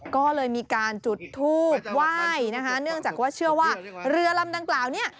ก็เลยมีการจุดทูบไหว้นะคะเนื่องจากว่าเชื่อว่าเรือลำดังกล่าวเนี่ย